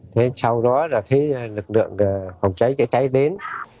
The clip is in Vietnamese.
thế sau đó là thấy lực lượng phòng cháy chữa cháy đến